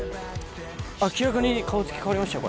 明らかに顔つき変わりましたよ